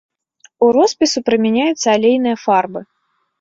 У роспісу прымяняюцца алейныя фарбы.